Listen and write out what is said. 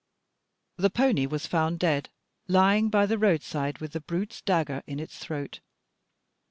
The pony was found dead, lying by the roadside with the brute's dagger in its throat.